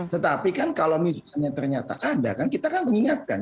tetapi kan kalau misalnya ternyata ada kan kita kan mengingatkan